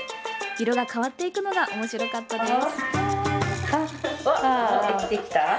色が変わっていくのがおもしろかったです。